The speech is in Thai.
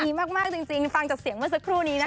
ดีมากจริงฟังจากเสียงเมื่อสักครู่นี้นะคะ